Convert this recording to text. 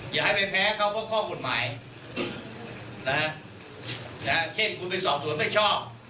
อย่าให้ไปแพ้เขาเพราะข้อกฎหมายนะฮะเช่นคุณไปสอบสวนไม่ชอบ